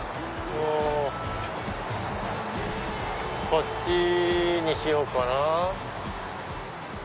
こっちにしようかな。